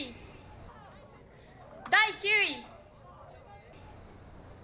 第９位。